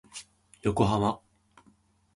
横浜